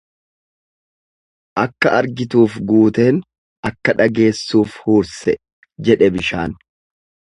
Akka argituuf guuteen akka dhageessuuf huurse jedhe bishaan.